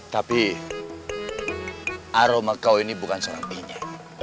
tapi aroma kau ini bukan seorang inye